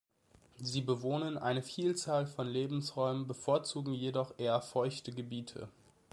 Sie bewohnen eine Vielzahl von Lebensräumen, bevorzugen jedoch eher feuchte Gebiete.